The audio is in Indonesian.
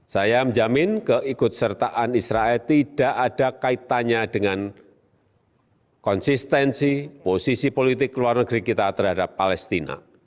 saya menjamin keikut sertaan israel tidak ada kaitannya dengan konsistensi posisi politik luar negeri kita terhadap palestina